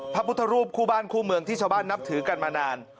พระพุทธรูปคู่บ้านคู่เมืองที่ชาวบ้านนับถือกันมานาน